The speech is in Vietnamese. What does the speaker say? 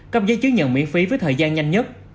cấp giấy chứng nhận miễn phí với thời gian nhanh nhất